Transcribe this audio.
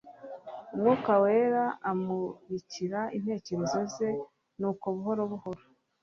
Umwuka wera amurikira intekerezo ze, nuko buhoro buhoro,